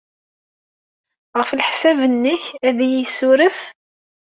Ɣef leḥsab-nnek, ad iyi-yessuref?